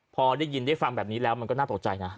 พอได้ยินได้ฟังแบบนี้แล้วมันก็น่าตกใจนะ